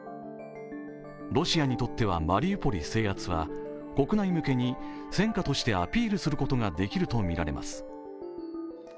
ロシアにとってはマリウポリ制圧は国内向けに戦果としてアピールすることができるとみられます。